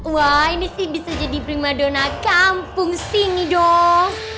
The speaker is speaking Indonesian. wah ini sih bisa jadi prima dona kampung sini dong